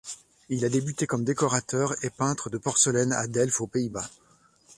Il a débuté comme décorateur et peintre de porcelaines à Delft aux Pays-Bas.